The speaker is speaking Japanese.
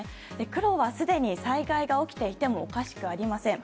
黒はすでに災害が起きていてもおかしくありません。